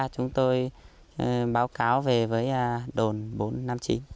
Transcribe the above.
chúng tôi báo cáo về với đồn bốn trăm năm mươi chín